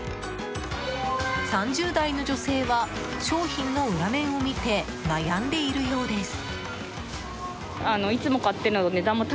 ３０代の女性は商品の裏面を見て悩んでいるようです。